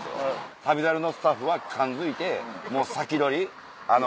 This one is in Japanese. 『旅猿』のスタッフは感づいてもう先取り。